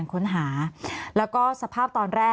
มีความรู้สึกว่าเสียใจ